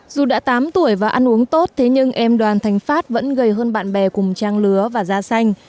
dù đã tám tuổi và ăn uống tốt thế nhưng em đoàn thành phát vẫn gầy hơn bạn bè cùng trang lứa và da xanh